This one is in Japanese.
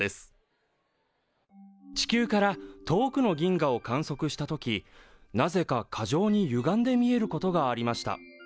地球から遠くの銀河を観測した時なぜか過剰にゆがんで見えることがありました。